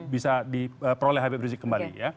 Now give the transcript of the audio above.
bisa diperoleh habib rizik kembali ya